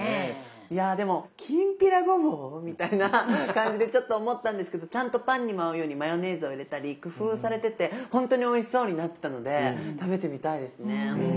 いやでもきんぴらごぼう？みたいな感じでちょっと思ったんですけどちゃんとパンにも合うようにマヨネーズを入れたり工夫をされててほんとにおいしそうになってたので食べてみたいですね。